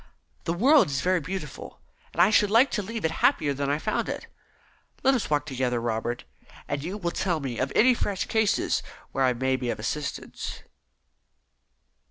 The world is very beautiful, and I should like to leave it happier than I found it. Let us walk out together, Robert, and you will tell me of any fresh cases where I may be of assistance."